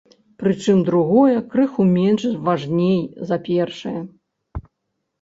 Прычым другое крыху менш важней за першае.